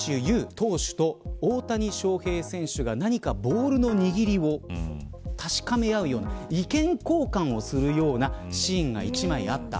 投手と大谷翔平選手が何か、ボールの握りを確かめ合うような意見交換をするようなシーンが１枚あった。